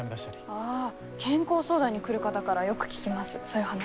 ああ、健康相談に来る方からよく聞きます、そういう話。